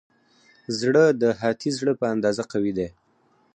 زړه د هاتي زړه په اندازه قوي دی.